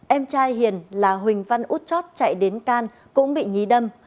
em trai hiền là huỳnh văn út chót chạy đến can cũng bị nhí đâm